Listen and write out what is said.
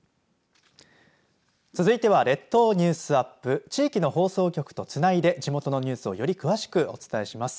続いては列島ニュースアップ地域の放送局とつないで地元のニュースをより詳しくお伝えします。